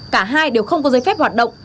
cả hai đều không có giấy phép hoạt động